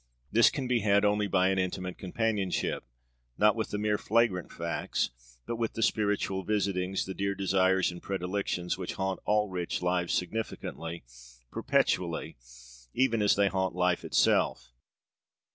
This can be had only by an intimate companionship, not with the mere flagrant facts, but with the spiritual visitings, the dear desires and predilections, which haunt all rich lives significantly, perpetually, even as they haunt life itself.